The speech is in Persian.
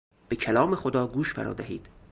به کلام خدا گوش فرا دهید.